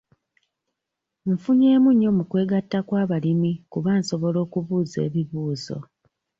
Nfunyemu nnyo mu kwegatta kw'abalimi kuba nsobola okubuuza ebibuuzo.